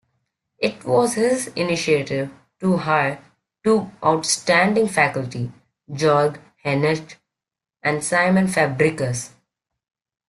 It was his initiative to hire two outstanding faculty: Georg Henisch and Simon Fabricius.